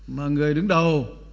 mà người đứng đầu